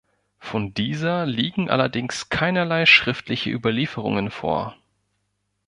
Von dieser liegen allerdings keinerlei schriftliche Überlieferungen vor.